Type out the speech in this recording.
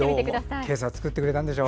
これ、今朝作ってくれたんでしょ？